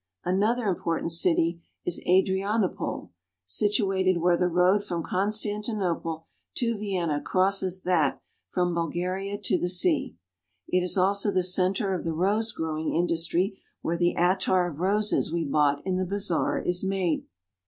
Another important city is Adrianople, situ ated where the road from Constantinople to Vienna crosses that from Bulgaria to the sea. It is also the center of the rose growing region, where the attar of roses we bought in the bazaar is made.